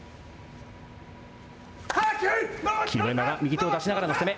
右手を出しながらの攻め。